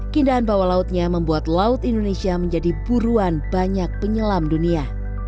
keindahan bawah lautnya membuat laut indonesia menjadi buruan banyak penyelam dunia